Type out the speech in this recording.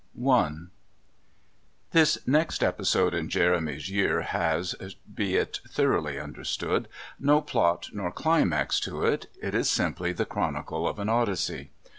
I This next episode in Jeremy's year has, be it thoroughly understood, no plot nor climax to it it is simply the chronicle of an Odyssey.